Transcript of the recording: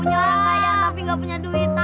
nggak punya duit